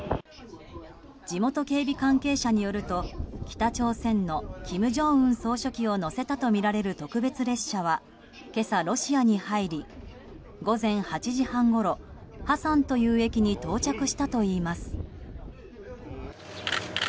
地元警備関係者によると北朝鮮の金正恩総書記を乗せたとみられる特別列車は今朝、ロシアに入り午前８時半ごろハサンという駅に到着したといいます。